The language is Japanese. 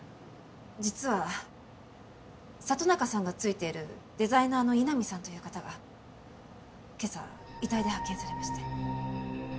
実は里中さんがついているデザイナーの井波さんという方が今朝遺体で発見されまして。